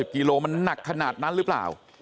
กิโลมันหนักขนาดนั้นหรือเปล่า